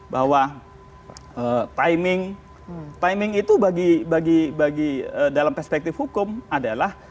bahwa timing itu bagi dalam perspektif hukum adalah